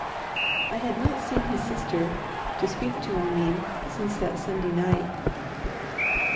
I had not seen his sister to speak to I mean since that Sunday night.